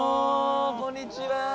こんにちは。